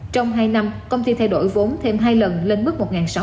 trong hai năm công ty thay đổi vốn thêm hai lần lên mức một sáu trăm linh